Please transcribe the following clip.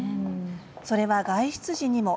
それは外出時にも。